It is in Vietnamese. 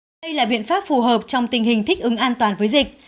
đây là biện pháp phù hợp trong tình hình thích ứng an toàn với dịch